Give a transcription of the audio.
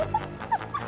ハハハ！